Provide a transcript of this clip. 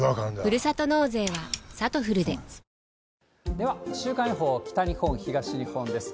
では、週間予報、北日本、東日本です。